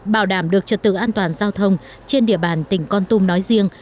bảo đảm được trật tự an toàn giao thông trên địa bàn tỉnh con tum nói riêng